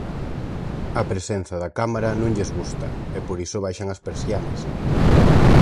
A presenza da cámara non lles gusta, e por iso baixan as persianas.